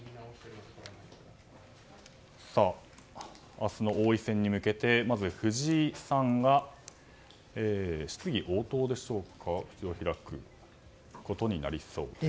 明日の王位戦に向けてまず藤井さんが質疑応答でしょうか口を開くことになりそうです。